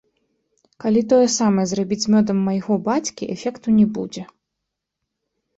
Калі тое самае зрабіць з мёдам майго бацькі, эфекту не будзе.